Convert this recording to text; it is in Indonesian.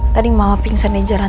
tadi mama pingsan di jalan